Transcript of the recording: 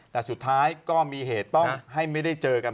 แต่สุดท้ายก็มีเหตุต้องให้ไม่ได้เจอกัน